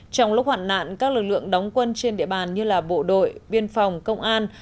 trong lúc hoạn nạn các lực lượng đóng quân trên địa bàn như bộ đội biên phòng công an